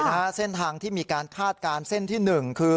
นะฮะเส้นทางที่มีการคาดการณ์เส้นที่หนึ่งคือ